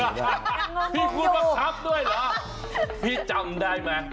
พี่พูดบังคับด้วยเหรอพี่จำได้ไหม